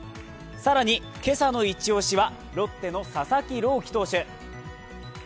更に今朝のイチオシはロッテの佐々木朗希投手。